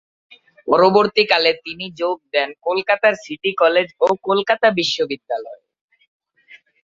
পরবর্তীকালে তিনি যোগ দেন কলকাতার সিটি কলেজ, ও কলকাতা বিশ্ববিদ্যালয়ে।